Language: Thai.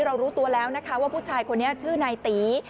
รู้ตัวแล้วนะคะว่าผู้ชายคนนี้ชื่อนายตี